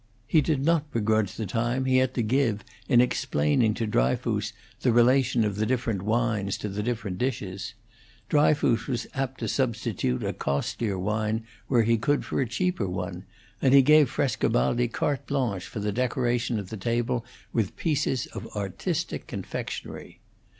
He did not begrudge the time he had to give in explaining to Dryfoos the relation of the different wines to the different dishes; Dryfoos was apt to substitute a costlier wine where he could for a cheaper one, and he gave Frescobaldi carte blanche for the decoration of the table with pieces of artistic confectionery.